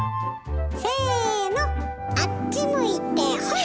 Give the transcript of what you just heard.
せのあっち向いてホイ！